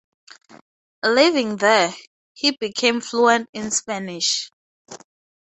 Living there, he became fluent in Spanish.